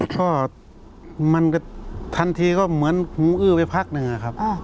ก็มันก็ทันทีก็เหมือนอื้อไปพักหนึ่งอะครับ